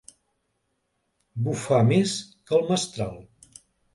Bufar més que el mestral.